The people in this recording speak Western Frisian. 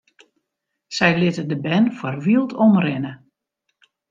Sy litte de bern foar wyld omrinne.